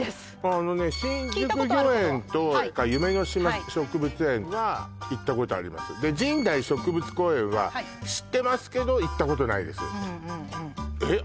あのね新宿御苑と夢の島植物園は行ったことありますで神代植物公園は知ってますけど行ったことないですえっ